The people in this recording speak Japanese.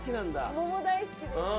桃大好きです。